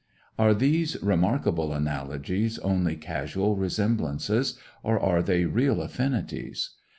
Are these remarkable analogies only casual resemblances, or are they real affinities?